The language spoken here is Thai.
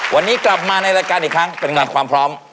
วันนี้กลับมาในรายการอีกครั้งเป็นงานความพร้อม